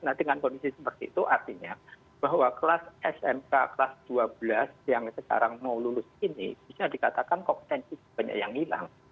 nah dengan kondisi seperti itu artinya bahwa kelas smk kelas dua belas yang sekarang mau lulus ini bisa dikatakan kompetensi banyak yang hilang